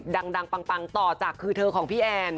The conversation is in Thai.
ดังปังต่อจากคือเธอของพี่แอน